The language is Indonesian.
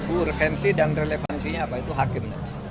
urgensi dan relevansinya apa itu hakimnya